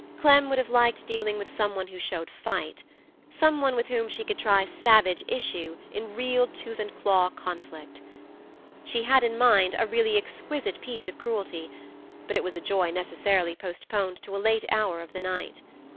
Clem would have liked dealing with some one who showed fight—some one with whom she could try savage issue in real tooth and claw conflict. She had in mind a really exquisite piece of cruelty, but it was a joy necessarily postponed to a late hour of the night.